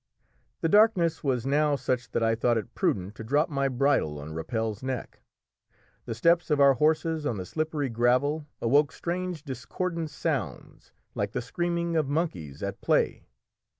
The darkness was now such that I thought it prudent to drop my bridle on Rappel's neck. The steps of our horses on the slippery gravel awoke strange discordant sounds like the screaming of monkeys at play.